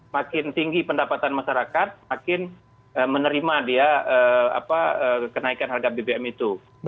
makin tinggi pendapatan masyarakat makin menerima dia kenaikan harga bbm itu